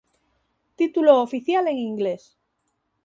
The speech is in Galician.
Título oficial en inglés.